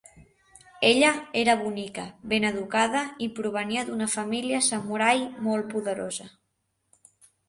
Ella era bonica, ben educada i provenia d'una família samurai molt poderosa.